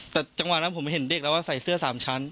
แต่จังหวะนั้นผมเห็นเด็กแล้วว่าใส่เสื้อ๓ชั้น